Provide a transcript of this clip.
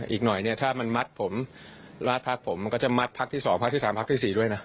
อีกหน่อยถ้ามันมัดผมราดพรรคผมก็จะมัดพรรคที่สองพรรคที่สามพรรคที่สี่ด้วยนะ